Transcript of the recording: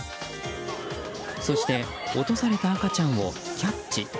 そして落とされた赤ちゃんをキャッチ。